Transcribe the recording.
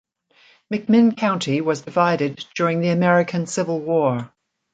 McMinn County was divided during the American Civil War.